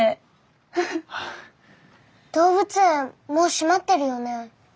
動物園もう閉まってるよね？